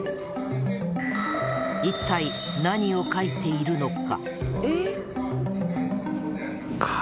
一体、何を書いているのか？